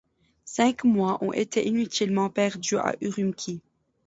Cinq mois ont été inutilement perdus à Ürümqi.